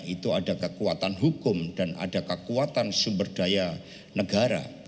itu ada kekuatan hukum dan ada kekuatan sumber daya negara